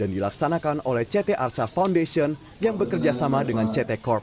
dan dilaksanakan oleh ct arsa foundation yang bekerjasama dengan ct corp